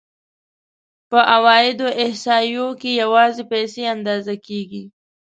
په عوایدو احصایو کې یوازې پیسې اندازه کېږي